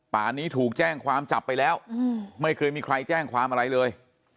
ป่านี้ถูกแจ้งความจับไปแล้วไม่เคยมีใครแจ้งความอะไรเลย